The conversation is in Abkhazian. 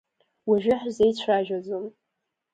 Уажәы ҳзеицәажәаӡом.